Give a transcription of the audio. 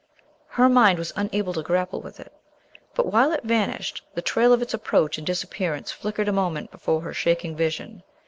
Her mind was unable to grapple with it. But, while it vanished, the trail of its approach and disappearance flickered a moment before her shaking vision.